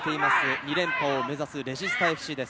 ２連覇を目指すレジスタＦＣです。